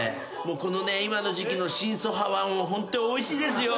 このね今の時季の新そ歯はホントおいしいですよ。